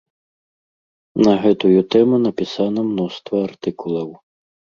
На гэтую тэму напісана мноства артыкулаў.